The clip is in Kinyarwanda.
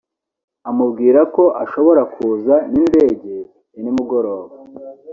amubwira ko ashobora kuza n’indege ya nimugoroba